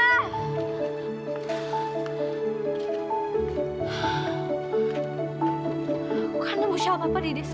aku kan emosial papa di disk